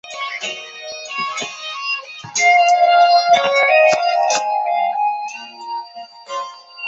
只要沟通对象对术语的含义达成共识就可以。